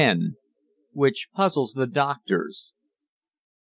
WHICH PUZZLES THE DOCTORS.